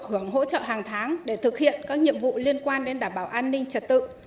hưởng hỗ trợ hàng tháng để thực hiện các nhiệm vụ liên quan đến đảm bảo an ninh trật tự